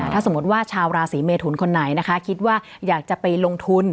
ถ้าสมมติว่าชาวราศีเมทุนคนไหนนะคะคิดว่าอยากจะไปลงทุน